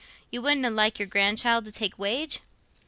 You wouldna like your grand child to take wage?"